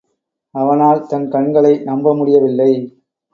அவனால் தன் கண்களை நம்பமுடியவில்லை.